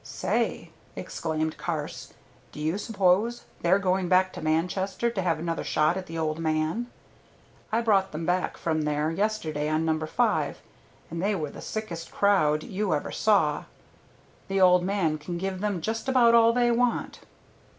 "Say," exclaimed Carse, "do you suppose they're going back to Manchester to have another shot at the old man? I brought them back from there yesterday on No. 5, and they were the sickest crowd you ever saw. The old man can give them just about all they want."